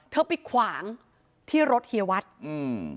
เธอไปขวางที่รถเฮียวัดอืม